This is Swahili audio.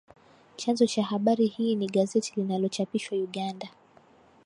Chanzo cha habari hii ni gazeti linalochapishwa Uganda